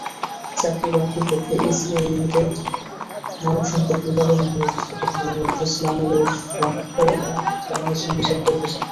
চাকরিবাকরির পক্ষে এসিআই লিমিটেডে মানবসম্পদ বিভাগের মহাব্যবস্থাপক মঈনুল ইসলােমরসাক্ষাৎকার নিয়েছেন মোছাব্বের হোসেন।